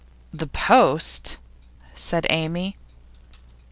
'The post?' said Amy.